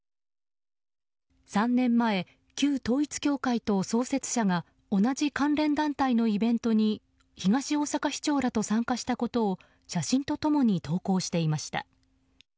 ３年前、旧統一教会と創設者が同じ関連団体のイベントに東大阪市長らと参加したことを写真と共に投稿していました。